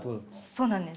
そうなんです。